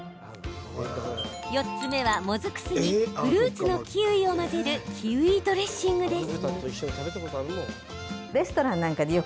４つ目は、もずく酢にフルーツのキウイを混ぜるキウイドレッシングです。